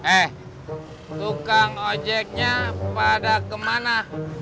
eh tukang ojeknya pada kemana